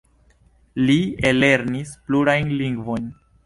Li ellernis plurajn lingvojn.